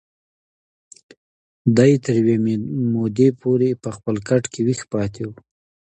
دی تر یوې مودې پورې په خپل کټ کې ویښ پاتې و.